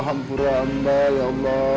hampura amba ya allah